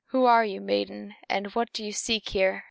"Who are you, maiden, and what seek you here?"